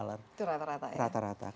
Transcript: itu rata rata ya